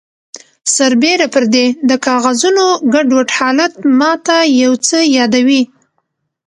سربیره پردې د کاغذونو ګډوډ حالت ماته یو څه یادوي